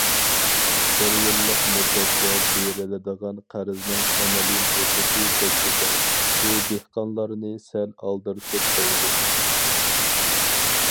بىر يىللىق مۇددەتتە بېرىلىدىغان قەرزنىڭ ئەمەلىي مۇددىتى سەككىز ئاي، بۇ دېھقانلارنى سەل ئالدىرىتىپ قويىدۇ.